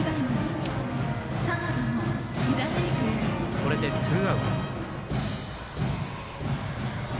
これでツーアウト。